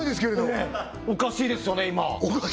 今おかしいですよね